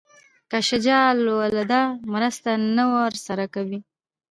که شجاع الدوله مرسته نه ورسره کوي.